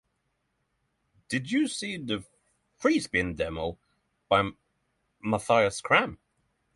Did you see the "Freespin demo" by Matthias Kramm?